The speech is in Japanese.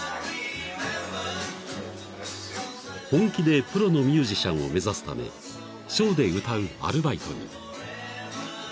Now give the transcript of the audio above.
［本気でプロのミュージシャンを目指すためショーで歌うアルバイトに］